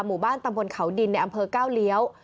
หมู่บ้านตำบลเขาดินในอำเภอก้าวเลี้ยว